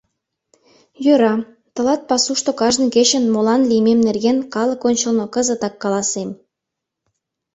Йӧра, тылат пасушто кажне кечын молан лиймем нерген калык ончылно кызытак каласем.